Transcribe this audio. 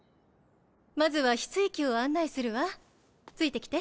まずは翡翠宮を案内するわついて来て。